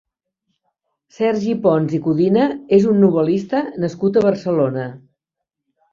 Sergi Pons i Codina és un novel·lista nascut a Barcelona.